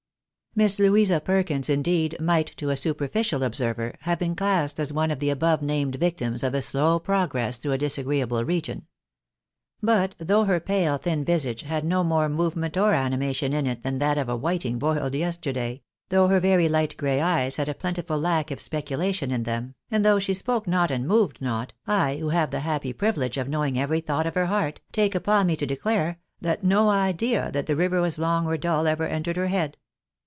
Miss Louisa Perkins, indeed, might, to a superficial observer, have been classed as one of the above named victims of a slow progress through a disagreeable region. But though her pale, thia visage had no more movement or animation in it than that of a whiting boiled yesterday, though her very light gray eyes had a plentiful lack of speculation in them, and though she spoke not and moved not, I, who have the happy privilege of knowing every thought of her heart, take upon me to declare that no idea that the river was long or dull ever entered her head.